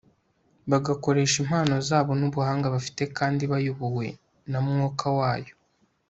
bagakoresha impano zabo n'ubuhanga bafite kandi bayobowe na mwuka wayo